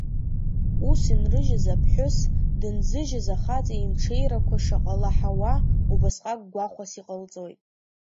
Ус инрыжьыз аԥҳәыс, дынзыжьыз ахаҵа имҽеирақәа шаҟа лаҳауа, убасҟак гәахәас иҟалҵоит.